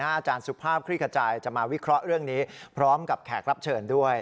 อาจารย์สุภาพคลิกกระจายจะมาวิเคราะห์เรื่องนี้พร้อมกับแขกรับเชิญด้วย